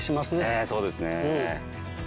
ええそうですね。